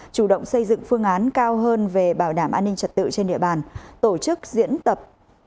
chủ động xây dựng phương án cao hơn về bảo đảm an ninh trật tự trên địa bàn tổ chức diễn tập